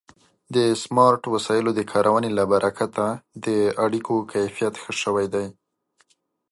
د سمارټ وسایلو د کارونې له برکته د اړیکو کیفیت ښه شوی دی.